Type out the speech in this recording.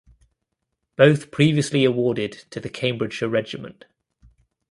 Both previously awarded to the Cambridgeshire Regiment.